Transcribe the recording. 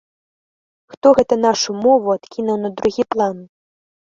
Хто гэта нашу мову адкінуў на другі план?